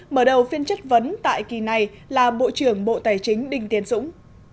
mở đầu phiên chất vấn tại kỳ này là bộ trưởng bộ tài chính đinh tiến dũng